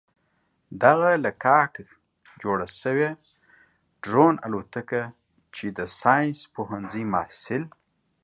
دغه له کاک کاغذه جوړه شوې ډرون الوتکه چې د ساينس پوهنځي محصل